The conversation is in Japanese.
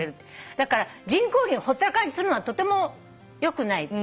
だから人工林をほったらかしにするのはとてもよくない。